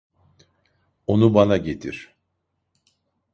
Onu bana getir.